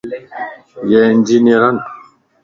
يي انجينئر ائين